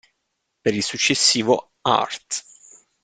Per il successivo art.